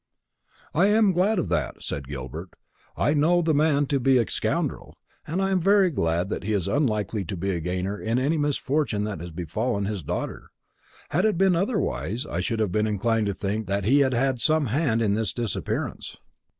"I am glad of that," said Gilbert. "I know the man to be a scoundrel, and I am very glad that he is unlikely to be a gainer by any misfortune that has befallen his daughter. Had it been otherwise, I should have been inclined to think that he had had some hand in this disappearance."